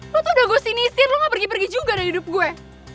lo tuh udah gue sini istir lo gak pergi pergi juga dari hidup gue